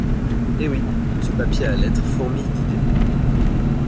Et oui : ce papier à lettres fourmille d’idées.